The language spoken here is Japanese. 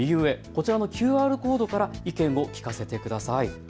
こちらのＱＲコードから意見を聞かせてください。